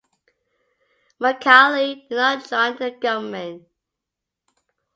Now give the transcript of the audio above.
Michaeli did not join the government.